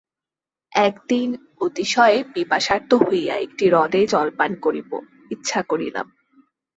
একদিন অতিশয় পিপাসার্ত হইয়া একটি হ্রদে জলপান করিব, ইচ্ছা করিলাম।